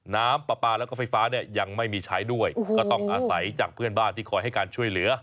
น้ำปลาปลาแล้วก็ไฟฟ้าเนี่ยยังไม่มีใช้ด้วยก็ต้องอาศัยจากเพื่อนบ้านที่คอยให้การช่วยเหลือ